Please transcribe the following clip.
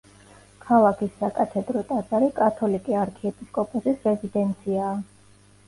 ქალაქის საკათედრო ტაძარი კათოლიკე არქიეპისკოპოსის რეზიდენციაა.